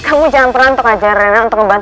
kamu jangan penat untuk ajar rena untuk berbicara